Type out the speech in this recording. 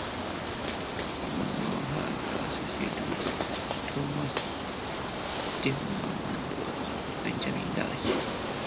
In London Huck associated with Thomas Denman and Benjamin Rush.